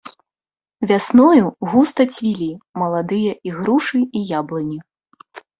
Вясною густа цвілі маладыя ігрушы і яблыні.